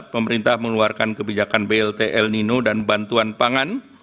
pemerintah mengeluarkan kebijakan blt el nino dan bantuan pangan